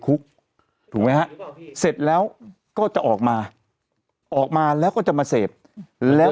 คุกถูกไหมฮะเสร็จแล้วก็จะออกมาออกมาแล้วก็จะมาเสพแล้ว